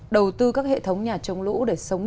đầu tư các hệ thống nhà chống lũ để sống